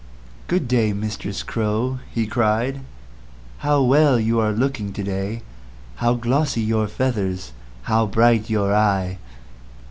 "Good day, Mistress Crow," he cried. "How well you are looking to day: how glossy your feathers; how bright your eye.